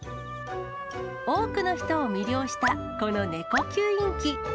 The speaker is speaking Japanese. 多くの人を魅了したこの猫吸引機。